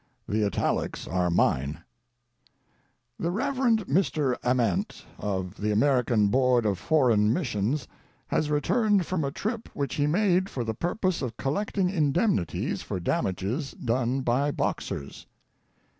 The italics are mine: "The Rev. Mr. Ament, of the American Board of Foreign Missions, has returned from a trip which he made for the purpose of collecting indemnities for damages done by Boxers.